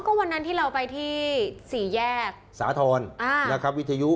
ก็วันนั้นที่เราไปที่สี่แยกสาธรณ์นะครับวิทยุ